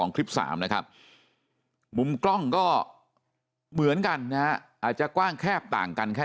คลิป๓นะครับมุมกล้องก็เหมือนกันนะฮะอาจจะกว้างแคบต่างกันแค่